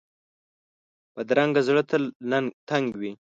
بدرنګه زړه تل تنګ وي